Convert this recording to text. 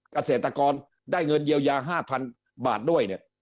เกษตรกรได้เงินเยียวยา๕๐๐๐บาทด้วยเนี่ย